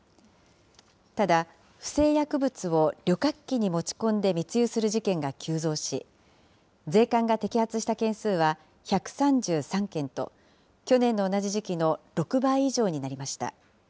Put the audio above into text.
ただ、不正薬物を旅客機に持ち込んで密輸する事件が急増し、税関が摘発した件数は１３３件と、去年の同じ時期の６倍以上になりました。